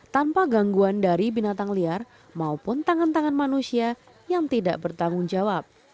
tanpa gangguan dari binatang liar maupun tangan tangan manusia yang tidak bertanggung jawab